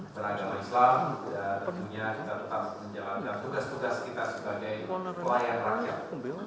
beragama islam tentunya kita tetap menjalankan tugas tugas kita sebagai pelayan rakyat